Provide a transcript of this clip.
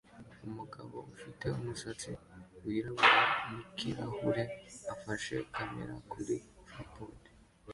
Umugabo ufite umusatsi wirabura nikirahure afashe kamera kuri trapode